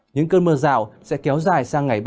những cơn mưa rào sẽ kéo dài sang ngày ba mươi